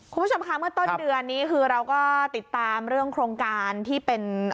คุณผู้ชมค่ะเมื่อต้นเดือนนี้คือเราก็ติดตามเรื่องโครงการที่เป็น